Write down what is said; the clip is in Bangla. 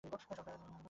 আর সবসময় তেমনই রইব।